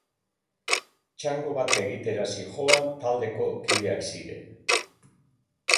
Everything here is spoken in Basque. Txango bat egitera zihoan taldeko kideak ziren.